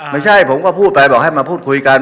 ไม่ใช่ผมก็พูดไปบอกให้มาพูดคุยกัน